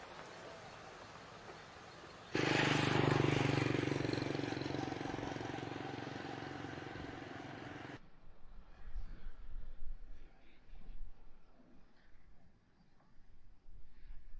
สวัสดีครับ